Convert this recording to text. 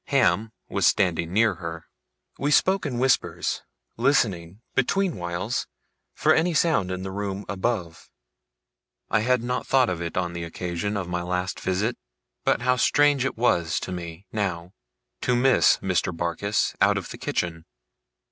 Ham was standing near her. We spoke in whispers; listening, between whiles, for any sound in the room above. I had not thought of it on the occasion of my last visit, but how strange it was to me, now, to miss Mr. Barkis out of the kitchen!